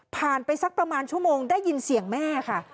ไปสักประมาณชั่วโมงได้ยินเสียงแม่ค่ะ